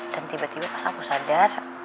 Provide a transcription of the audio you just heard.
dan tiba tiba pas aku sadar